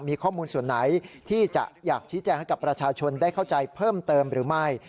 มีข้อมูลส่วนไหนที่จะอยากชี้แจงให้กับประชาชนได้เข้าใจเพิ่มเติมหรือไม่